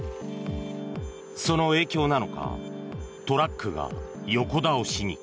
その影響なのかトラックが横倒しに。